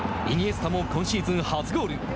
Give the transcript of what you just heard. イニエスタも今シーズン初ゴール。